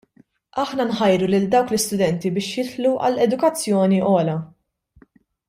Aħna nħajru lil dawn l-istudenti biex jidħlu għall-edukazzjoni ogħla.